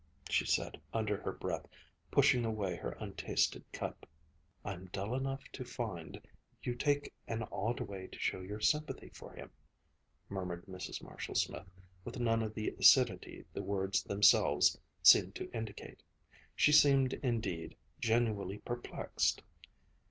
she said under her breath, pushing away her untasted cup. "I'm dull enough to find you take an odd way to show your sympathy for him," murmured Mrs. Marshall Smith, with none of the acidity the words themselves seemed to indicate. She seemed indeed genuinely perplexed.